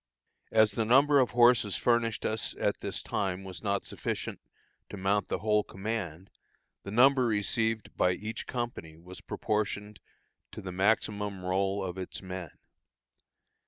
As the number of horses furnished us at this time was not sufficient to mount the whole command, the number received by each company was proportioned to the maximum roll of its men.